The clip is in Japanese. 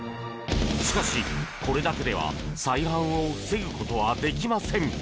しかし、これだけでは再犯を防ぐことはできません。